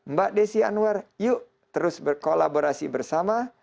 mbak desi anwar yuk terus berkolaborasi bersama